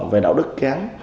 về đạo đức kén